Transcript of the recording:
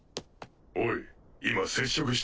おい今接触したぞ。